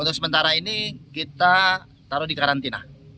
untuk sementara ini kita taruh di karantina